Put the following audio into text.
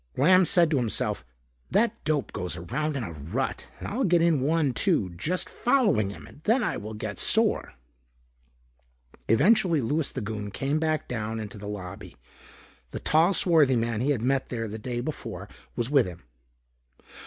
Lamb said to himself, "That dope goes around in a rut and I'll get in one too just following him and then I will get sore." Eventually Louis the Goon came back down into the lobby. The tall, swarthy man he had met there the day before was with him.